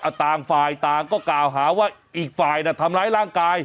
ต่างฝ่ายต่างก็กล่าวหาว่าอีกฝ่ายน่ะทำร้ายร่างกาย